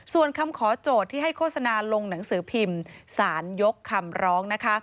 ส่วนคำขอโจทย์ที่ให้โฆษณาลงหนังสือพิมพ์สารยกคำร้องนะคะ